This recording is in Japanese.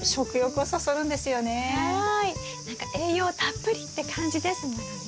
何か栄養たっぷりって感じですものね。